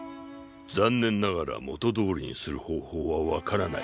残念ながら元どおりにする方法は分からない。